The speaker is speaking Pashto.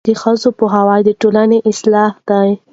د ښځو پوهاوی د ټولنې اصلاح ده.